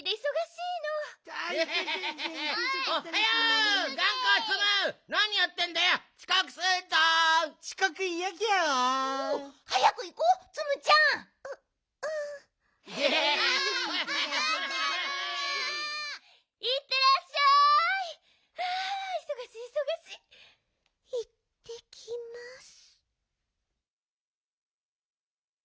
いってきます。